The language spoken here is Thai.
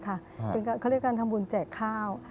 เขาเรียกการทำบุญแจกข้าว